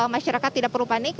masyarakat tidak perlu panik